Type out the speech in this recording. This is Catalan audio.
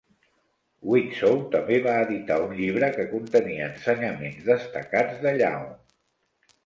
Widtsoe també va editar un llibre que contenia ensenyaments destacats de Young.